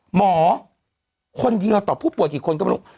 หมอคนเดียวต่อผู้ป่วยกี่คนก็ไม่รู้